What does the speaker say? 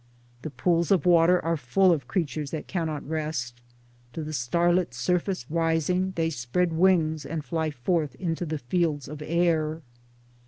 The pools of water are full ol creatures that cannot rest ; to the starlit surface rising they spread wings and fly forth into the fields of air.